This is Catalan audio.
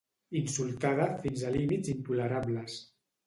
Insultada fins a límits intolerables.